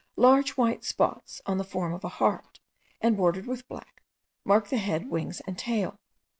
Large white spots of the form of a heart, and bordered with black, mark the head, wings, and tail.